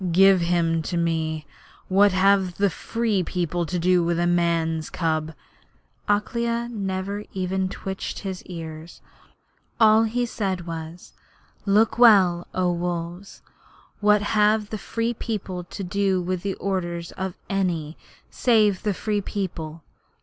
Give him to me. What have the Free People to do with a man's cub?' Akela never even twitched his ears: all he said was: 'Look well, O Wolves! What have the Free People to do with the orders of any save the Free People?